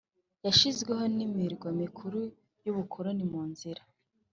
yashyizweho n imirwa mikuru y ubukoroni mu izina